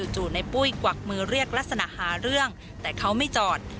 จู่ในปุ้ยกวักมือเรียกลักษณะหาเรื่องแต่เขาไม่จอด